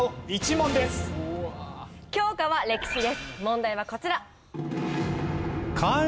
問題はこちら。